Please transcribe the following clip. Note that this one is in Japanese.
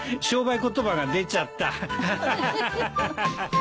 商売言葉が出ちゃった。